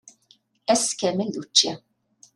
Ass kamel d učči.